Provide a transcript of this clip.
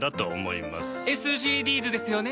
ＳＧＤｓですよね。